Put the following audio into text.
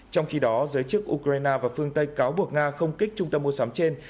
trong khi đó giới chức ukraine và phương tây cáo buộc nga không kích trung tâm mua sắm trên